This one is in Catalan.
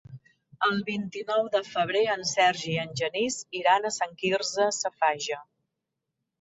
El vint-i-nou de febrer en Sergi i en Genís iran a Sant Quirze Safaja.